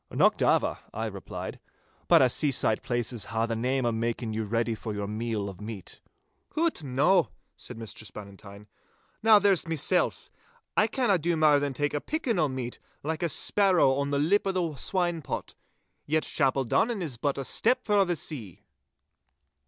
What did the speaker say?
'Nocht ava,' I replied, 'but a' seaside places hae the name o' making your ready for you meal of meat.' 'Hoot, no,' said Mistress Bannatyne. 'Now, there's mysel'. I canna do mair than tak' a pickin' o' meat, like a sparrow on the lip o' the swinepot. Yet Chapeldonnan is but a step frae the sea.